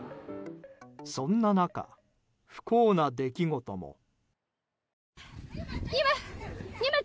そんな中、不幸な出来事も。